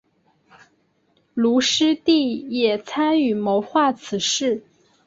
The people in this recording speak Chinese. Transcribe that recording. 卢师谛也参与谋划此事。